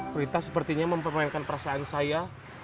perintah sepertinya mempermainkan perasaan saya